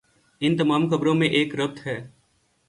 ان تمام خبروں میں ایک ربط ہے۔